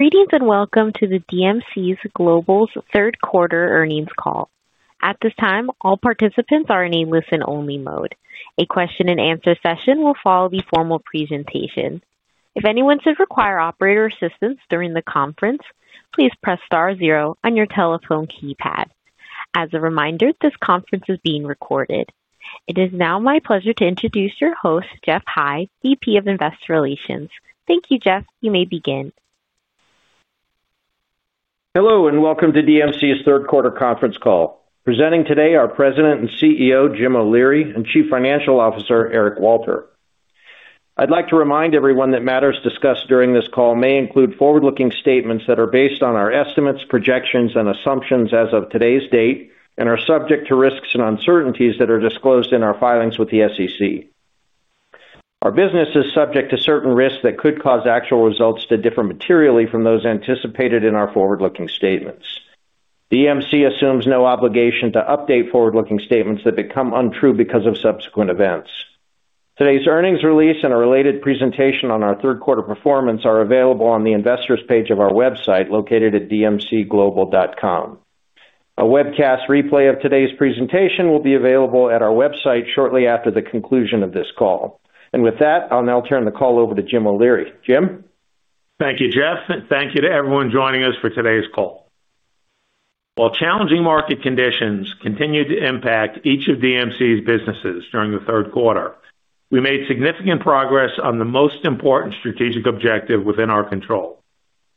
Greetings and welcome to the DMC Global's third quarter earnings call. At this time, all participants are in a listen-only mode. A question-and-answer session will follow the formal presentation. If anyone should require operator assistance during the conference, please press star zero on your telephone keypad. As a reminder, this conference is being recorded. It is now my pleasure to introduce your host, Geoff High, VP of Investor Relations. Thank you, Geoff. You may begin. Hello and welcome to DMC's Third Quarter Conference Call. Presenting today are President and CEO Jim O'Leary and Chief Financial Officer Eric Walter. I'd like to remind everyone that matters discussed during this call may include forward-looking statements that are based on our estimates, projections, and assumptions as of today's date and are subject to risks and uncertainties that are disclosed in our filings with the SEC. Our business is subject to certain risks that could cause actual results to differ materially from those anticipated in our forward-looking statements. DMC assumes no obligation to update forward-looking statements that become untrue because of subsequent events. Today's earnings release and a related presentation on our third quarter performance are available on the investors' page of our website located at dmcglobal.com. A webcast replay of today's presentation will be available at our website shortly after the conclusion of this call. With that, I'll now turn the call over to Jim O'Leary. Jim? Thank you, Geoff. And thank you to everyone joining us for today's call. While challenging market conditions continued to impact each of DMC's businesses during the third quarter, we made significant progress on the most important strategic objective within our control: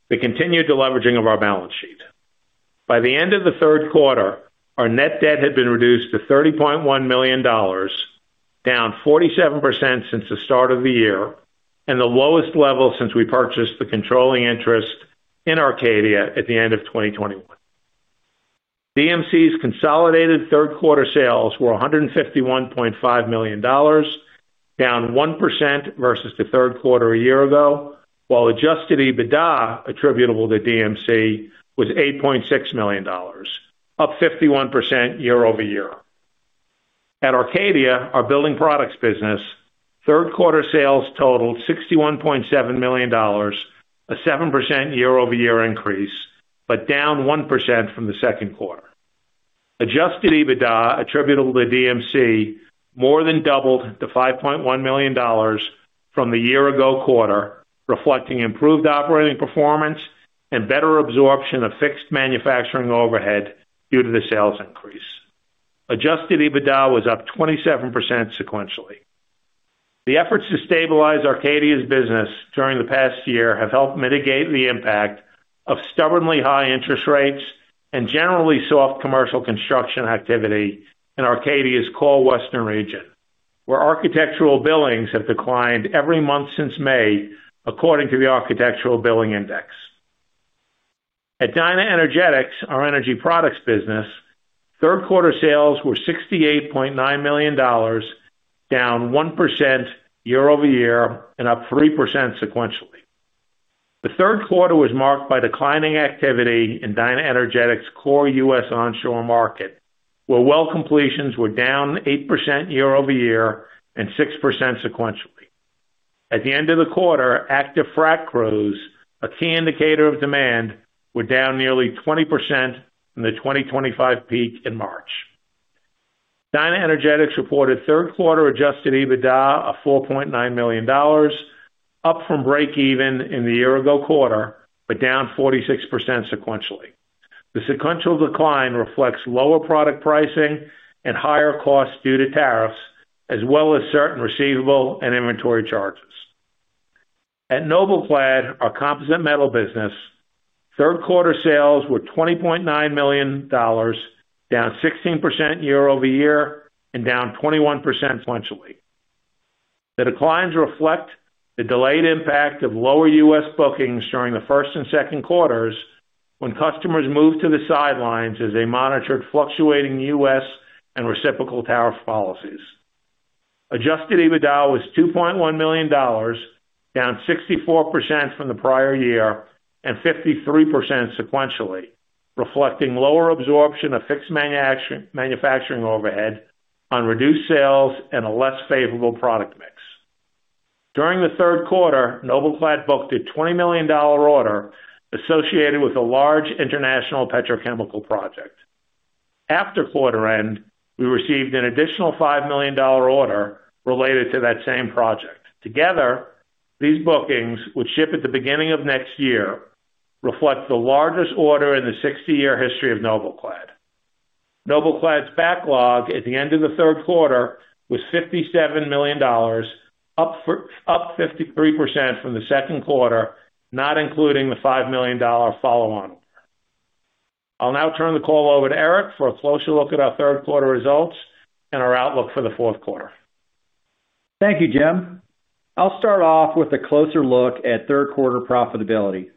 the continued leveraging of our balance sheet. By the end of the third quarter, our net debt had been reduced to $30.1 million. Down 47% since the start of the year and the lowest level since we purchased the controlling interest in Arcadia at the end of 2021. DMC's consolidated third quarter sales were $151.5 million. Down 1% versus the third quarter a year ago, while adjusted EBITDA attributable to DMC was $8.6 million, up 51% year over year. At Arcadia, our building products business. Third quarter sales totaled $61.7 million. A 7% year-over-year increase, but down 1% from the second quarter. Adjusted EBITDA attributable to DMC more than doubled to $5.1 million. From the year-ago quarter, reflecting improved operating performance and better absorption of fixed manufacturing overhead due to the sales increase. Adjusted EBITDA was up 27% sequentially. The efforts to stabilize Arcadia's business during the past year have helped mitigate the impact of stubbornly high interest rates and generally soft commercial construction activity in Arcadia's core Western region, where architectural billings have declined every month since May, according to the Architectural Billing Index. At DynaEnergetics, our energy products business. Third quarter sales were $68.9 million. Down 1% year-over-year and up 3% sequentially. The third quarter was marked by declining activity in DynaEnergetics' core U.S. onshore market, where well completions were down 8% year-over-year and 6% sequentially. At the end of the quarter, active frac growth, a key indicator of demand, was down nearly 20% from the 2025 peak in March. DynaEnergetics reported third quarter adjusted EBITDA of $4.9 million. Up from break-even in the year-ago quarter, but down 46% sequentially. The sequential decline reflects lower product pricing and higher costs due to tariffs, as well as certain receivable and inventory charges. At NobelClad, our composite metal business. Third quarter sales were $20.9 million. Down 16% year-over-year and down 21% sequentially. The declines reflect the delayed impact of lower U.S. bookings during the first and second quarters when customers moved to the sidelines as they monitored fluctuating U.S. and reciprocal tariff policies. Adjusted EBITDA was $2.1 million. Down 64% from the prior year and 53% sequentially, reflecting lower absorption of fixed manufacturing overhead on reduced sales and a less favorable product mix. During the third quarter, NobelClad booked a $20 million order associated with a large international petrochemical project. After quarter end, we received an additional $5 million order related to that same project. Together, these bookings, which ship at the beginning of next year, reflect the largest order in the 60-year history of NobelClad. NobelClad's backlog at the end of the third quarter was $57 million. Up 53% from the second quarter, not including the $5 million follow-on order. I'll now turn the call over to Eric for a closer look at our third quarter results and our outlook for the fourth quarter. Thank you, Jim. I'll start off with a closer look at third quarter profitability.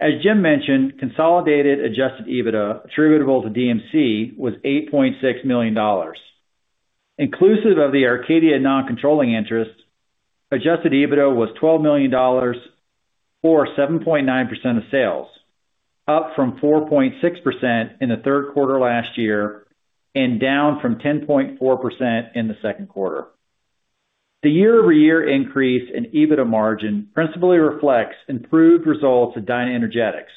As Jim mentioned, consolidated adjusted EBITDA attributable to DMC was $8.6 million. Inclusive of the Arcadia non-controlling interest, adjusted EBITDA was $12 million for 7.9% of sales, up from 4.6% in the third quarter last year and down from 10.4% in the second quarter. The year-over-year increase in EBITDA margin principally reflects improved results at DynaEnergetics,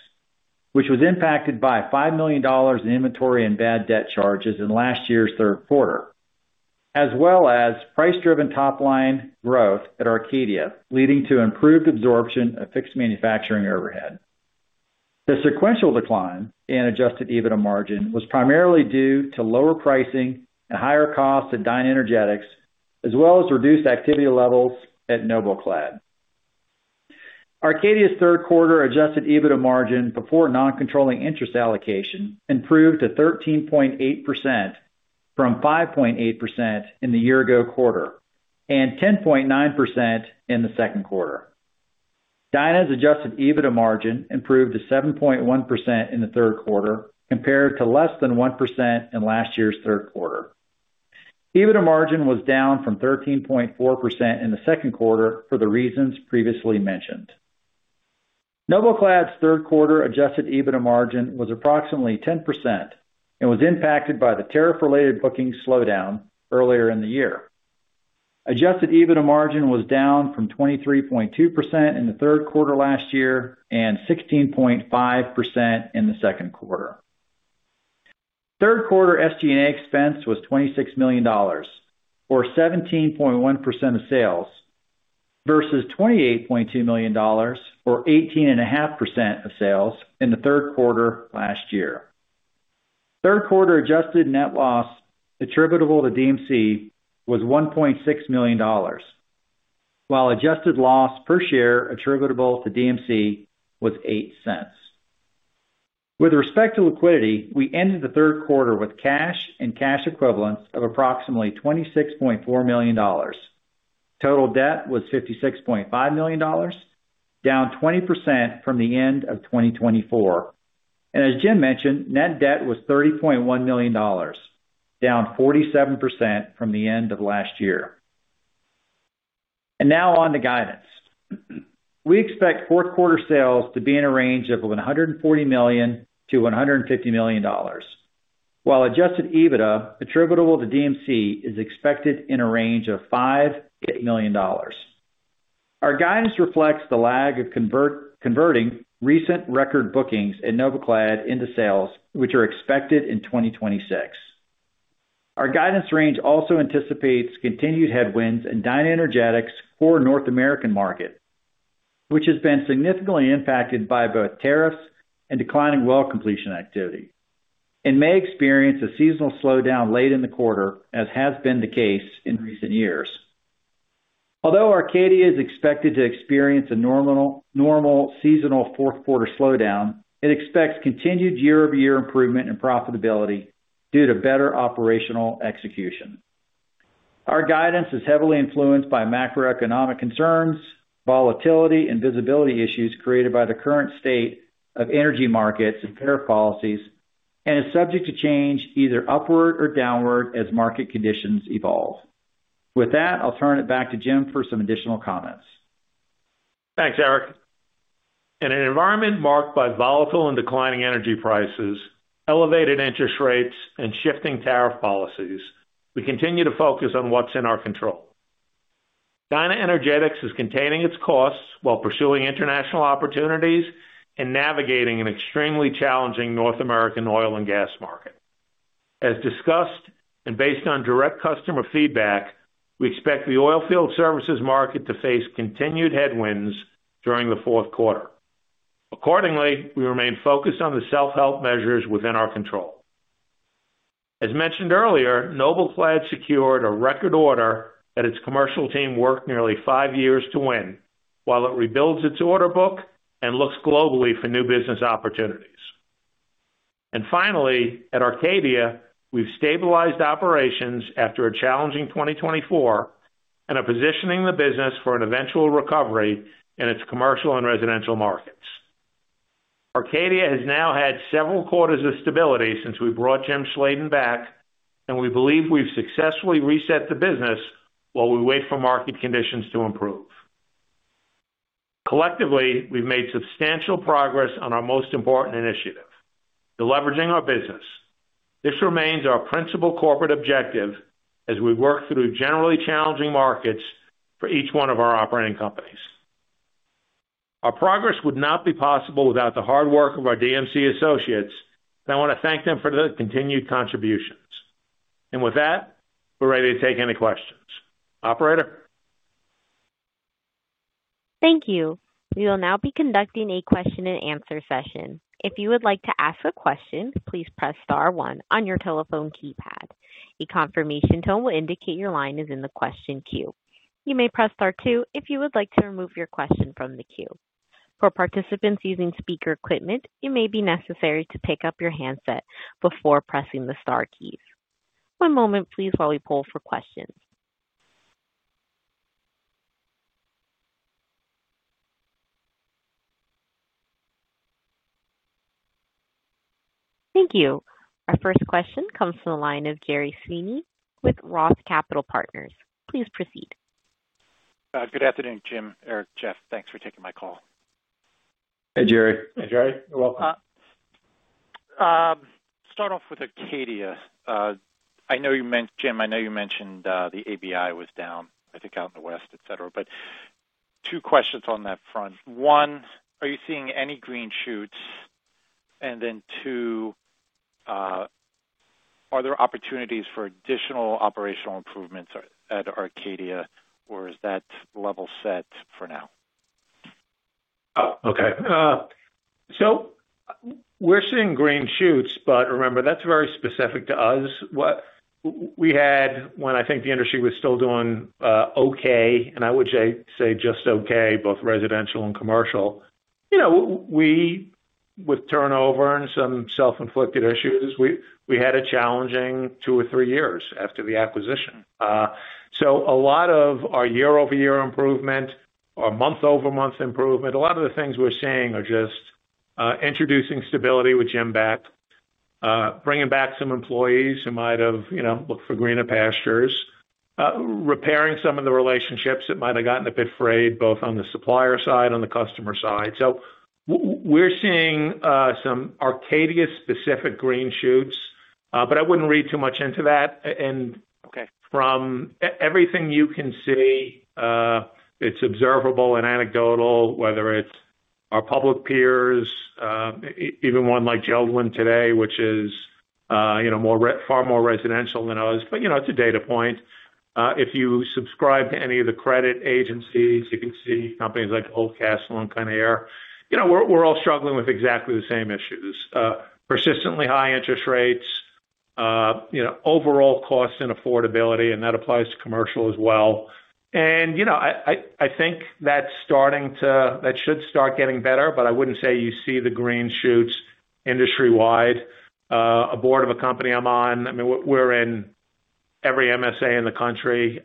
which was impacted by $5 million in inventory and bad debt charges in last year's third quarter, as well as price-driven top-line growth at Arcadia, leading to improved absorption of fixed manufacturing overhead. The sequential decline in adjusted EBITDA margin was primarily due to lower pricing and higher costs at DynaEnergetics, as well as reduced activity levels at NobelClad. Arcadia's third quarter adjusted EBITDA margin before non-controlling interest allocation improved to 13.8% from 5.8% in the year-ago quarter and 10.9% in the second quarter. Dyna's adjusted EBITDA margin improved to 7.1% in the third quarter, compared to less than 1% in last year's third quarter. EBITDA margin was down from 13.4% in the second quarter for the reasons previously mentioned. NobelClad's third quarter adjusted EBITDA margin was approximately 10% and was impacted by the tariff-related booking slowdown earlier in the year. Adjusted EBITDA margin was down from 23.2% in the third quarter last year and 16.5% in the second quarter. Third quarter SG&A expense was $26 million for 17.1% of sales, versus $28.2 million for 18.5% of sales in the third quarter last year. Third quarter adjusted net loss attributable to DMC was $1.6 million, while adjusted loss per share attributable to DMC was $0.08. With respect to liquidity, we ended the third quarter with cash and cash equivalents of approximately $26.4 million. Total debt was $56.5 million, down 20% from the end of 2024, and as Jim mentioned, net debt was $30.1 million, down 47% from the end of last year and now on to guidance. We expect fourth quarter sales to be in a range of $140 million-$150 million, while adjusted EBITDA attributable to DMC is expected in a range of $5 million-$8 million. Our guidance reflects the lag of converting recent record bookings at NobelClad into sales, which are expected in 2026. Our guidance range also anticipates continued headwinds in DynaEnergetics' core North American market, which has been significantly impacted by both tariffs and declining well completion activity, and may experience a seasonal slowdown late in the quarter, as has been the case in recent years. Although Arcadia is expected to experience a normal seasonal fourth quarter slowdown, it expects continued year-over-year improvement in profitability due to better operational execution. Our guidance is heavily influenced by macroeconomic concerns, volatility, and visibility issues created by the current state of energy markets and tariff policies, and is subject to change either upward or downward as market conditions evolve. With that, I'll turn it back to Jim for some additional comments. Thanks, Eric. In an environment marked by volatile and declining energy prices, elevated interest rates, and shifting tariff policies, we continue to focus on what's in our control. DynaEnergetics is containing its costs while pursuing international opportunities and navigating an extremely challenging North American oil and gas market. As discussed and based on direct customer feedback, we expect the oil field services market to face continued headwinds during the fourth quarter. Accordingly, we remain focused on the self-help measures within our control. As mentioned earlier, NobelClad secured a record order that its commercial team worked nearly five years to win, while it rebuilds its order book and looks globally for new business opportunities. And finally, at Arcadia, we've stabilized operations after a challenging 2024 and are positioning the business for an eventual recovery in its commercial and residential markets. Arcadia has now had several quarters of stability since we brought Jim Schladen back, and we believe we've successfully reset the business while we wait for market conditions to improve. Collectively, we've made substantial progress on our most important initiative: the leveraging of our business. This remains our principal corporate objective as we work through generally challenging markets for each one of our operating companies. Our progress would not be possible without the hard work of our DMC associates, and I want to thank them for the continued contributions. And with that, we're ready to take any questions. Operator. Thank you. We will now be conducting a question-and-answer session. If you would like to ask a question, please press star one on your telephone keypad. A confirmation tone will indicate your line is in the question queue. You may press star two if you would like to remove your question from the queue. For participants using speaker equipment, it may be necessary to pick up your handset before pressing the star keys. One moment, please, while we pull for questions. Thank you. Our first question comes from the line of Gerry Sweeney with ROTH Capital Partners. Please proceed. Good afternoon, Jim. Eric, Jeff, thanks for taking my call. Hey, Jerry. Hey, Jerry. You're welcome. Start off with Arcadia. I know you mentioned, Jim, I know you mentioned the ABI was down, I think out in the west, et cetera. But two questions on that front. One, are you seeing any green shoots? And then two. Are there opportunities for additional operational improvements at Arcadia, or is that level set for now? Okay. So. We're seeing green shoots, but remember, that's very specific to us. We had, when I think the industry was still doing okay, and I would say just okay, both residential and commercial. With turnover and some self-inflicted issues, we had a challenging two or three years after the acquisition. So a lot of our year-over-year improvement, our month-over-month improvement, a lot of the things we're seeing are just introducing stability with Jim back. Bringing back some employees who might have looked for greener pastures. Repairing some of the relationships that might have gotten a bit frayed, both on the supplier side and on the customer side. So we're seeing some Arcadia-specific green shoots, but I wouldn't read too much into that. And from everything you can see, it's observable and anecdotal, whether it's our public peers, even one like Jeld-Wen today, which is far more residential than others. But it's a data point. If you subscribe to any of the credit agencies, you can see companies like Oldcastle and Kinnear. We're all struggling with exactly the same issues: persistently high interest rates, overall cost and affordability, and that applies to commercial as well. And I think that should start getting better, but I wouldn't say you see the green shoots industry-wide. A board of a company I'm on, I mean, we're in every MSA in the country.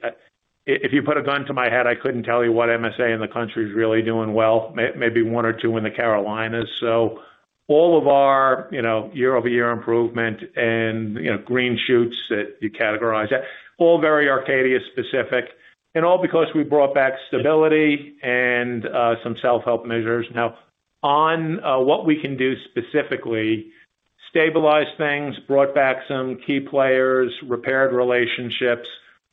If you put a gun to my head, I couldn't tell you what MSA in the country is really doing well. Maybe one or two in the Carolinas. So all of our year-over-year improvement and green shoots that you categorize at, all very Arcadia-specific, and all because we brought back stability and some self-help measures. Now, on what we can do specifically, stabilized things, brought back some key players, repaired relationships,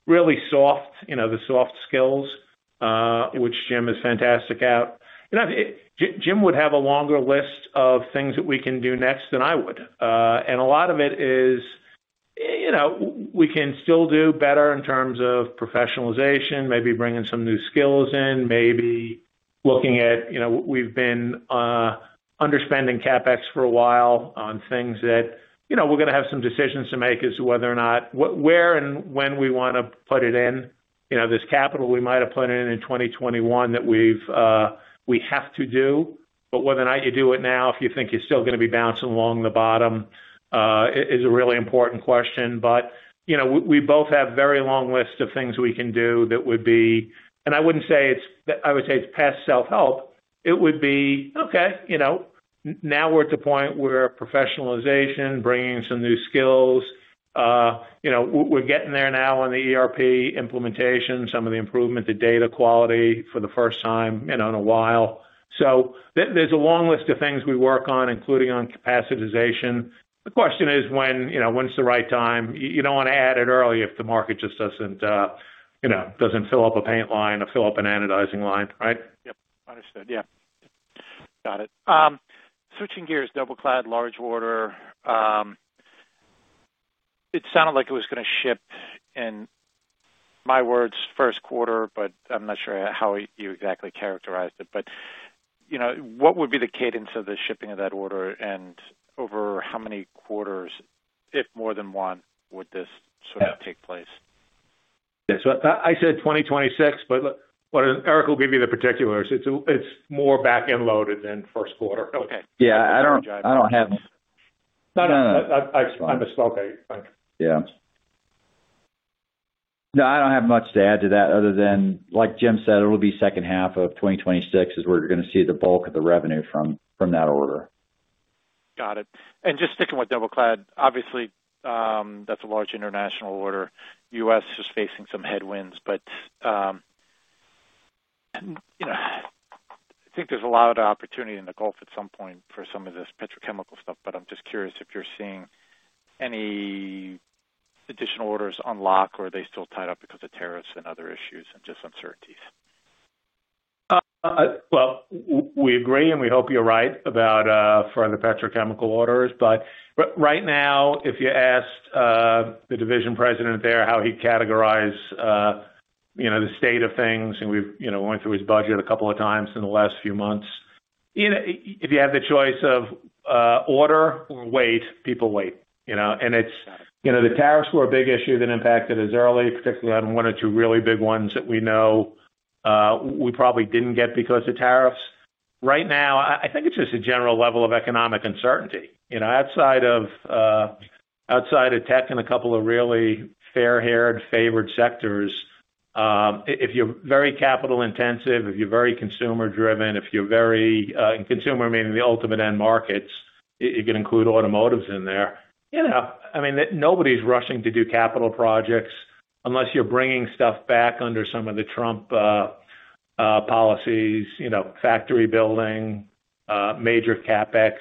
really soft, the soft skills, which Jim is fantastic at. Jim would have a longer list of things that we can do next than I would. And a lot of it is we can still do better in terms of professionalization, maybe bringing some new skills in, maybe looking at we've been understanding CapEx for a while on things that we're going to have some decisions to make as to whether or not where and when we want to put it in. This capital we might have put in in 2021 that we have to do. But whether or not you do it now, if you think you're still going to be bouncing along the bottom, is a really important question. But we both have very long lists of things we can do that would be, and I wouldn't say it's past self-help. It would be, okay, now we're at the point where professionalization, bringing some new skills. We're getting there now on the ERP implementation, some of the improvement to data quality for the first time in a while. So there's a long list of things we work on, including on capacitization. The question is, when's the right time? You don't want to add it early if the market just doesn't. Fill up a paint line or fill up an anodizing line, right? Yep. Understood. Yeah. Got it. Switching gears, NobelClad, large order. It sounded like it was going to ship in. My words, first quarter, but I'm not sure how you exactly characterized it. But what would be the cadence of the shipping of that order, and over how many quarters, if more than one, would this sort of take place? Yeah, so I said 2026, but Eric will give you the particulars. It's more back-end loaded than first quarter. Okay. Yeah. I don't have any. No, no, no. I'm just okay. Thanks. Yeah. No, I don't have much to add to that other than, like Jim said, it'll be second half of 2026 is where you're going to see the bulk of the revenue from that order. Got it. And just sticking with NobelClad, obviously. That's a large international order. U.S. is facing some headwinds, but I think there's a lot of opportunity in the Gulf at some point for some of this petrochemical stuff, but I'm just curious if you're seeing any additional orders unlock, or are they still tied up because of tariffs and other issues and just uncertainties? We agree, and we hope you're right about further petrochemical orders. Right now, if you asked the division president there how he categorized the state of things, and we've gone through his budget a couple of times in the last few months. If you have the choice of order or wait, people wait. The tariffs were a big issue that impacted us early, particularly on one or two really big ones that we know we probably didn't get because of tariffs. Right now, I think it's just a general level of economic uncertainty outside of tech and a couple of really fair-haired favored sectors, if you're very capital-intensive, if you're very consumer-driven, if you're very consumer, meaning the ultimate end markets, you can include automotives in there. I mean, nobody's rushing to do capital projects unless you're bringing stuff back under some of the Trump policies, factory building, major CapEx.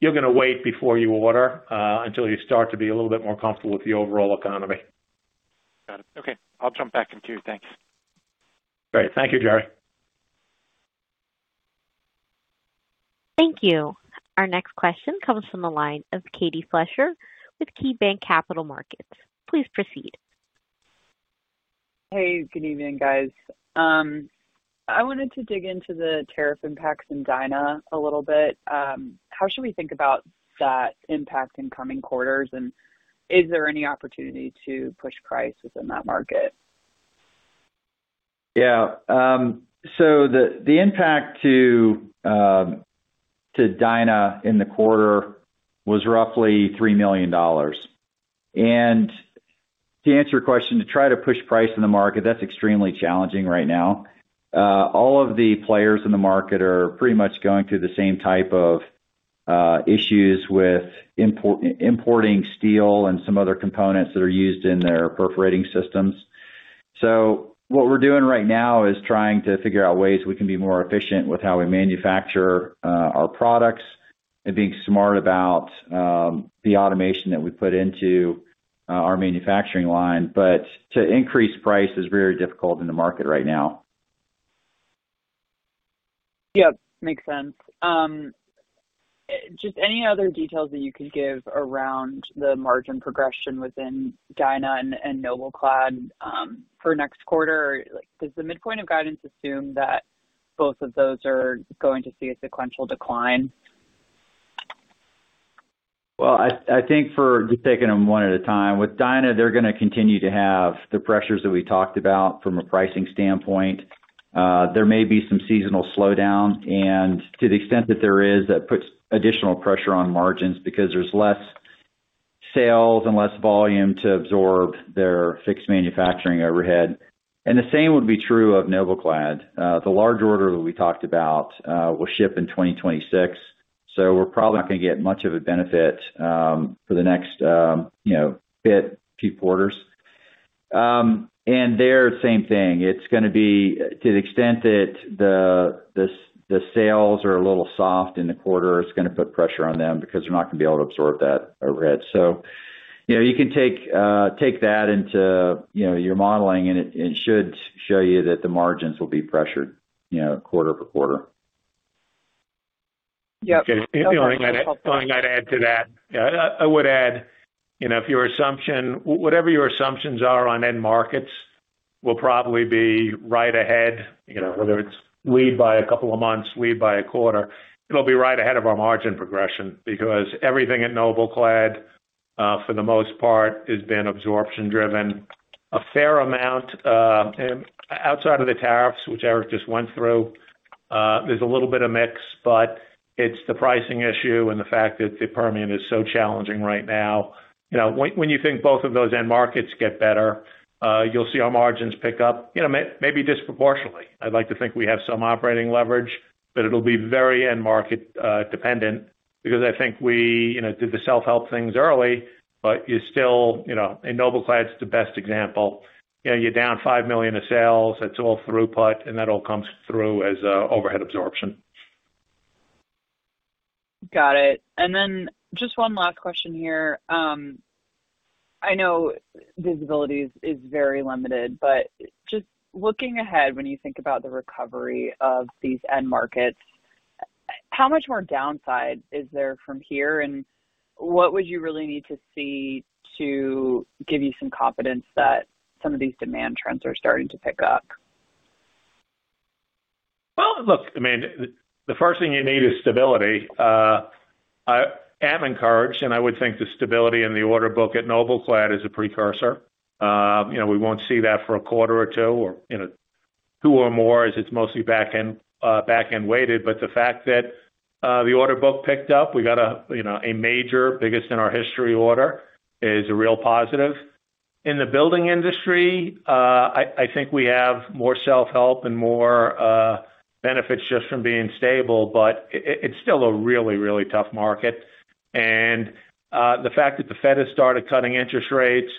You're going to wait before you order until you start to be a little bit more comfortable with the overall economy. Got it. Okay. I'll jump back in the queue. Thanks. Great. Thank you, Jerry. Thank you. Our next question comes from the line of Katie Fleischer with KeyBanc Capital Markets. Please proceed. Hey, good evening, guys. I wanted to dig into the tariff impacts in Dyna a little bit. How should we think about that impact in coming quarters, and is there any opportunity to push prices in that market? Yeah. So the impact to Dyna in the quarter was roughly $3 million. And to answer your question, to try to push price in the market, that's extremely challenging right now. All of the players in the market are pretty much going through the same type of issues with importing steel and some other components that are used in their perforating systems. So what we're doing right now is trying to figure out ways we can be more efficient with how we manufacture our products and being smart about the automation that we put into our manufacturing line. But to increase price is very difficult in the market right now. Yeah. Makes sense. Just any other details that you could give around the margin progression within Dyna and NobelClad for next quarter? Does the midpoint of guidance assume that both of those are going to see a sequential decline? Well, I think for just taking them one at a time, with Dyna, they're going to continue to have the pressures that we talked about from a pricing standpoint. There may be some seasonal slowdown. And to the extent that there is, that puts additional pressure on margins because there's less sales and less volume to absorb their fixed manufacturing overhead. And the same would be true of NobelClad. The large order that we talked about will ship in 2026. So we're probably not going to get much of a benefit for the next few quarters. And there, same thing. It's going to be to the extent that the sales are a little soft in the quarter, it's going to put pressure on them because they're not going to be able to absorb that overhead. So you can take that into your modeling, and it should show you that the margins will be pressured quarter for quarter. Yep. The only thing I'd add to that, I would add if your assumption, whatever your assumptions are on end markets, will probably be right ahead, whether it's lead by a couple of months, lead by a quarter, it'll be right ahead of our margin progression because everything at NobelClad, for the most part, has been absorption-driven. A fair amount. Outside of the tariffs, which Eric just went through. There's a little bit of mix, but it's the pricing issue and the fact that the Permian is so challenging right now. When you think both of those end markets get better, you'll see our margins pick up, maybe disproportionately. I'd like to think we have some operating leverage, but it'll be very end market dependent because I think we did the self-help things early, but you still, and NobelClad's the best example. You're down $5 million of sales. That's all throughput, and that all comes through as overhead absorption. Got it. And then just one last question here. I know visibility is very limited, but just looking ahead, when you think about the recovery of these end markets? How much more downside is there from here? And what would you really need to see to give you some confidence that some of these demand trends are starting to pick up? Well, look, I mean, the first thing you need is stability. I am encouraged, and I would think the stability in the order book at NobelClad is a precursor. We won't see that for a quarter or two or more as it's mostly back-end weighted. But the fact that the order book picked up, we got a major, biggest in our history order is a real positive. In the building industry, I think we have more self-help and more benefits just from being stable, but it's still a really, really tough market. And the fact that the Fed has started cutting interest rates.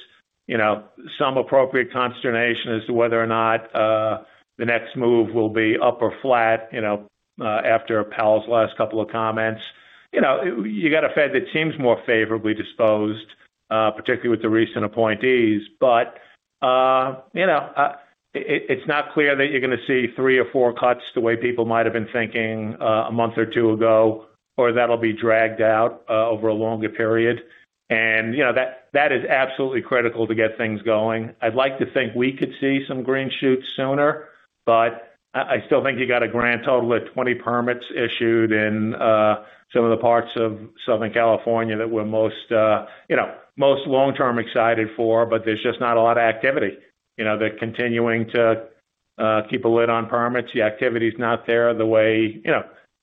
Some appropriate consternation as to whether or not the next move will be up or flat after Powell's last couple of comments. You got a Fed that seems more favorably disposed, particularly with the recent appointees. But it's not clear that you're going to see three or four cuts the way people might have been thinking a month or two ago, or that'll be dragged out over a longer period. And that is absolutely critical to get things going. I'd like to think we could see some green shoots sooner, but I still think you got a grand total of 20 permits issued in some of the parts of Southern California that we're most long-term excited for, but there's just not a lot of activity. They're continuing to keep a lid on permits. The activity is not there the way,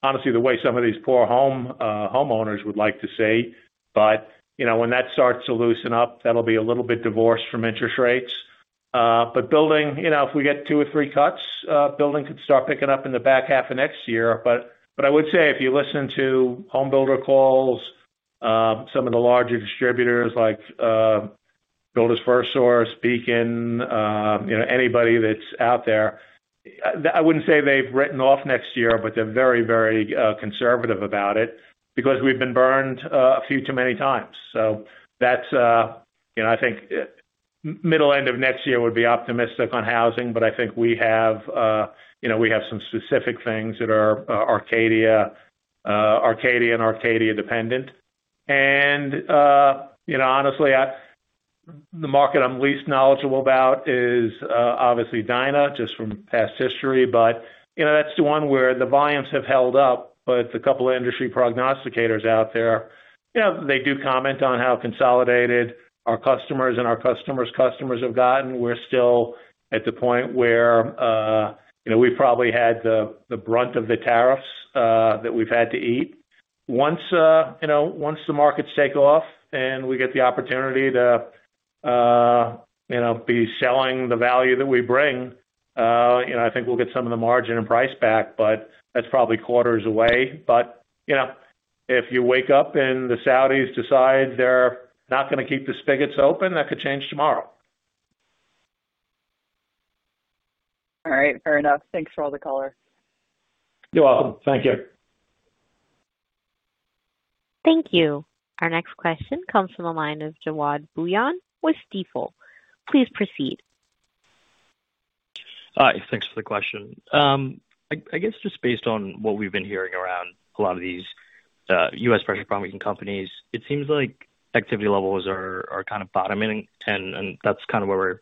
honestly, the way some of these poor homeowners would like to see. But when that starts to loosen up, that'll be a little bit divorced from interest rates. But building, if we get two or three cuts, building could start picking up in the back half of next year. But I would say if you listen to home builder calls, some of the larger distributors like Builders FirstSource, Beacon, anybody that's out there, I wouldn't say they've written off next year, but they're very, very conservative about it because we've been burned a few too many times. So that's, I think middle end of next year would be optimistic on housing, but I think we have some specific things that are Arcadia and Arcadia dependent. And honestly the market I'm least knowledgeable about is obviously Dyna, just from past history, but that's the one where the volumes have held up. But the couple of industry prognosticators out there, they do comment on how consolidated our customers and our customers' customers have gotten. We're still at the point where we've probably had the brunt of the tariffs that we've had to eat. Once the markets take off and we get the opportunity to be selling the value that we bring. I think we'll get some of the margin and price back, but that's probably quarters away. But if you wake up and the Saudis decide they're not going to keep the spigots open, that could change tomorrow. All right. Fair enough. Thanks for all the color. You're welcome. Thank you. Thank you. Our next question comes from the line of Jawad Bhuiyan with Stifel. Please proceed. Hi. Thanks for the question. I guess just based on what we've been hearing around a lot of these U.S. pressure pumping companies, it seems like activity levels are kind of bottoming, and that's kind of where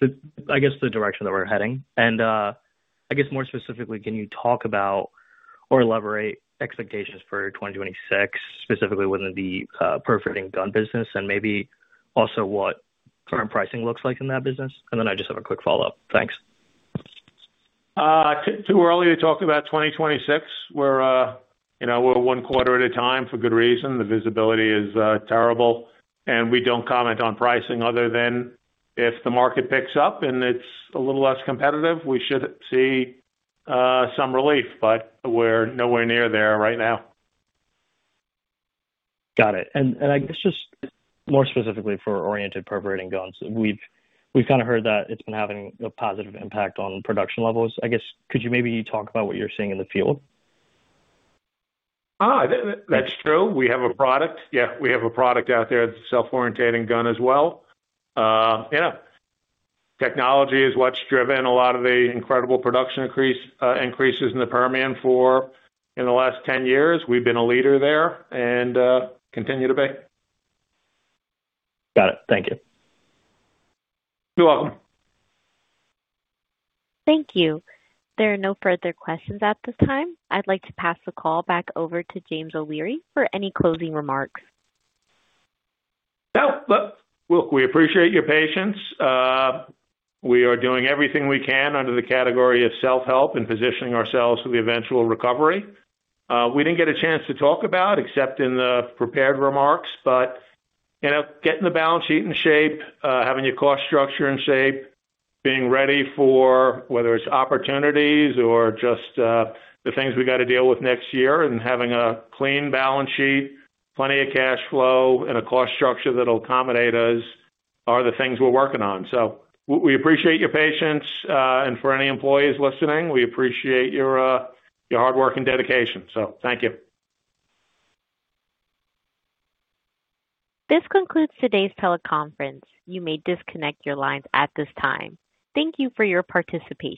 we're, I guess, the direction that we're heading. And I guess more specifically, can you talk about or elaborate expectations for 2026, specifically within the perforating gun business, and maybe also what current pricing looks like in that business? And then I just have a quick follow-up. Thanks. Too early to talk about 2026. We're one quarter at a time for good reason. The visibility is terrible. And we don't comment on pricing other than if the market picks up and it's a little less competitive, we should see some relief, but we're nowhere near there right now. Got it. And I guess just more specifically for oriented perforating guns, we've kind of heard that it's been having a positive impact on production levels. I guess, could you maybe talk about what you're seeing in the field? That's true. We have a product. Yeah, we have a product out there that's self-orienting gun as well. Yeah. Technology is what's driven a lot of the incredible production increases in the Permian in the last 10 years. We've been a leader there and continue to be. Got it. Thank you. You're welcome. Thank you. There are no further questions at this time. I'd like to pass the call back over to James O'Leary for any closing remarks. We appreciate your patience. We are doing everything we can under the category of self-help and positioning ourselves for the eventual recovery. We didn't get a chance to talk about except in the prepared remarks, but getting the balance sheet in shape, having your cost structure in shape, being ready for whether it's opportunities or just the things we got to deal with next year, and having a clean balance sheet, plenty of cash flow, and a cost structure that'll accommodate us are the things we're working on. We appreciate your patience. For any employees listening, we appreciate your hard work and dedication. Thank you. This concludes today's teleconference. You may disconnect your lines at this time. Thank you for your participation.